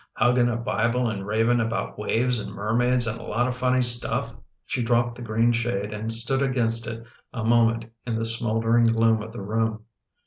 " Huggin' a Bible and ravin' about waves and mermaids and a lot of funny stuff! " She dropped the green shade and stood against it a moment in the smouldering gloom of the room.